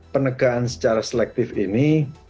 penegaan secara selektif ini